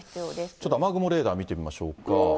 ちょっと雨雲レーダー見てみましょうか。